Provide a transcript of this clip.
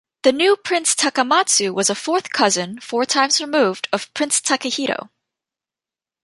The new Prince Takamatsu was a fourth cousin, four times removed of Prince Takehito.